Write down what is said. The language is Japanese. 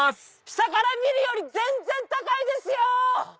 下から見るより全然高いですよ！